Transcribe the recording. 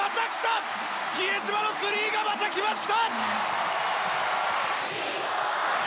比江島のスリーがまた来ました！